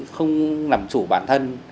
không làm chủ bản thân